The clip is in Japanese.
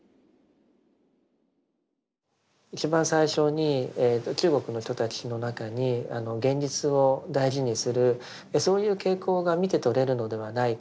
一番最初に中国の人たちの中に現実を大事にするそういう傾向が見てとれるのではないかという話をいたしましたけれども。